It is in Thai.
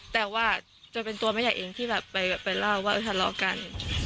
แต่ว่าจนเป็นตัวแม่ใหญ่เองที่แบบไปเล่าว่าทะเลาะกัน